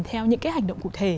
theo những cái hành động cụ thể